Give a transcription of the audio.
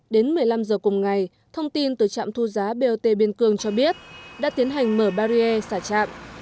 đến một mươi năm h cùng ngày thông tin từ trạm thu giá bot biên cương cho biết đã tiến hành mở barriere xả trạm